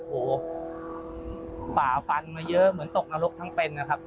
โอ้โหฝ่าฟันมาเยอะเหมือนตกนรกทั้งเป็นนะครับ